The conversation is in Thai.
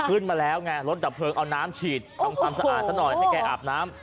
ขึ้นมาแล้วไงรถดับเพลิงเอาน้ำฉีดทำความสะอาดซะหน่อยให้แกอาบน้ำ